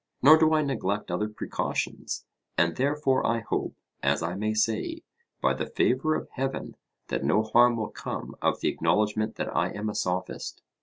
Nor do I neglect other precautions, and therefore I hope, as I may say, by the favour of heaven that no harm will come of the acknowledgment that I am a Sophist.